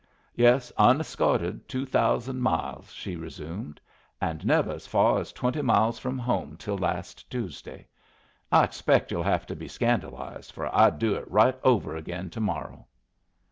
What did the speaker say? "Yes, unescorted two thousand miles," she resumed, "and never as far as twenty from home till last Tuesday. I expect you'll have to be scandalized, for I'd do it right over again to morrow."